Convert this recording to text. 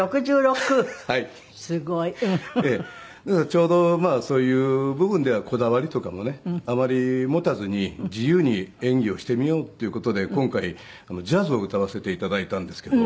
ちょうどまあそういう部分ではこだわりとかもねあまり持たずに自由に演技をしてみようっていう事で今回ジャズを歌わせて頂いたんですけど。